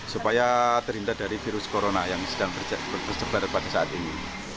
supaya terhindar dari virus corona yang sedang bersebar pada saat ini